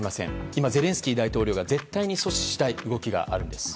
今、ゼレンスキー大統領が絶対に阻止したい動きがあるんです。